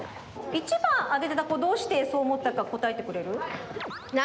①ばんあげてたこどうしてそうおもったかこたえてくれる？